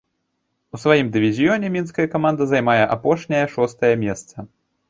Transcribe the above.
У сваім дывізіёне мінская каманда займае апошняе шостае месца.